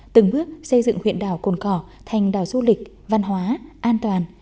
từng bước xây dựng huyện đảo cồn cỏ thành đảo du lịch văn hóa an toàn